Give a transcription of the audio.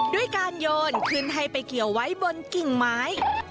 ด้วยการโยนขึ้นให้ไปเกี่ยวไว้บนกิ่งไม้